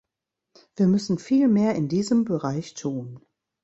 Wir müssen viel mehr in diesem Bereich tun.